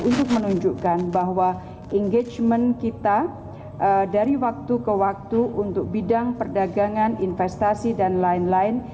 untuk menunjukkan bahwa engagement kita dari waktu ke waktu untuk bidang perdagangan investasi dan lain lain